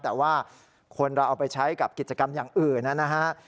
แต่ว่าคนเราเอาไปใช้กับกิจกรรมอย่างอื่นนะฮะ